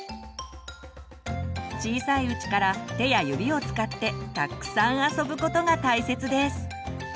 小さいうちから手や指を使ってたっくさん遊ぶことが大切です。